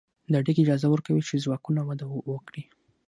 دا اړیکې اجازه ورکوي چې ځواکونه وده وکړي.